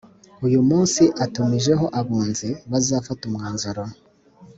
uyu munsi atumijeho abunzi bazafata umwanzuro